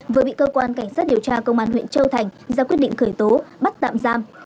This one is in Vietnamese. vừa bị cơ quan cảnh sát điều tra công an huyện châu thành ra quyết định khởi tố bắt tạm giam